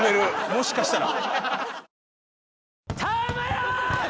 もしかしたら。